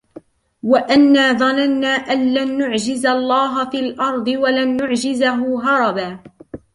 وَأَنَّا ظَنَنَّا أَنْ لَنْ نُعْجِزَ اللَّهَ فِي الْأَرْضِ وَلَنْ نُعْجِزَهُ هَرَبًا